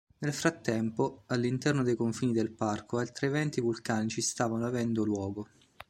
Nel frattempo, all'interno dei confini del parco altri eventi vulcanici stavano avendo luogo.